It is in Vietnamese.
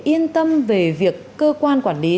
yên tâm về việc cơ quan quản lý